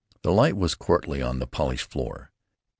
The light was courtly on the polished floor.